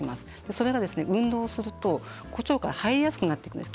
それが運動すると腸から入りやすくなってしまいます。